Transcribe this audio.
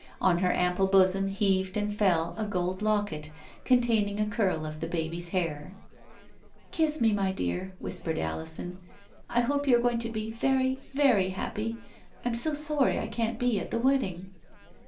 On her ample bosom heaved and fell a gold locket, containing a curl of the baby's hair. " Kiss me, my dear," whispered Alison ;" I hope you are going to be very, very happy. I'm so sorry I can't be at the wedding."